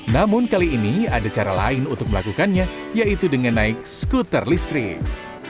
namun kali ini ada cara lain untuk melakukannya yaitu dengan naik skuter listrik